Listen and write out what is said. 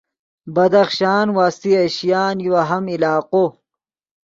بدخشان وسطی ایشیان یو اہم علاقو